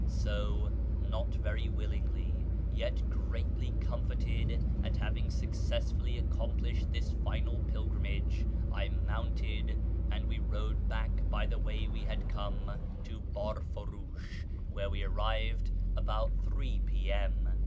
So, not very willingly, yet greatly com forted at having successfully accomplished this final pilgrimage, I mounted, and we rode back by the way we had come to Biirt'uriish, where we arrived about 3 p.m.